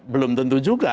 belum tentu juga